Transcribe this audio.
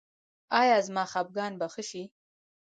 ایا زما خپګان به ښه شي؟